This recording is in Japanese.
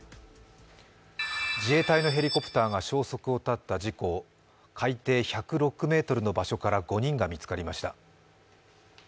自衛隊のヘリコプターが消息を絶った事故、海底１０６ｍの場所から５人が見つかりました。